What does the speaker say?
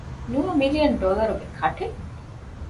ނުވަ މިލިއަން ޑޮލަރުގެ ކަޓެއް؟